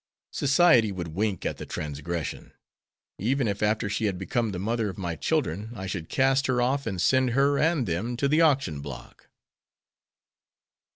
Society would wink at the transgression, even if after she had become the mother of my children I should cast her off and send her and them to the auction block."